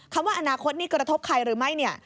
คำว่าอนาคตนี่กระทบใครหรือไม่